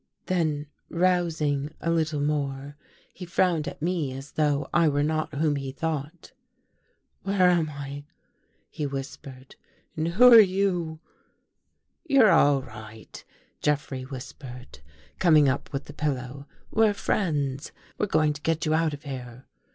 Then rousing a little more he frowned at me as though I were not whom he thought. "Where am I?" he whispered. "And who are you?" 230 THE THIRD CONFESSION '' You're all right," Jeffrey whispered, coming up with the pillow. " We're friends. We're going to get you out of here."